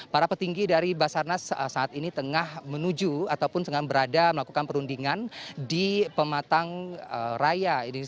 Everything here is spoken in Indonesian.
para petinggi dari basarnas saat ini tengah menuju ataupun tengah berada melakukan perundingan di pematang raya